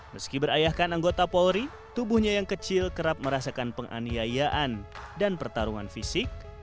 meski berayahkan anggota polri tubuhnya yang kecil kerap merasakan penganiayaan dan pertarungan fisik